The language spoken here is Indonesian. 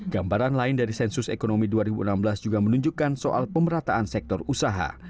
gambaran lain dari sensus ekonomi dua ribu enam belas juga menunjukkan soal pemerataan sektor usaha